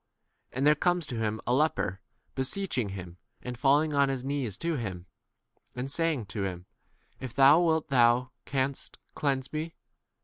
40 And there comes to him a leper, beseeching him, and falling on his knees to him, and saying to him, If thou wilt thou canst cleanse 41 me.